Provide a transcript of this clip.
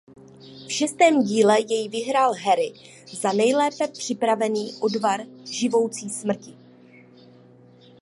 V šestém díle jej vyhrál Harry za nejlépe připravený odvar živoucí smrti.